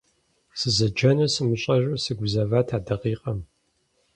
Сыздэжэнур сымыщӏэжу сыгузэват а дакъикъэм.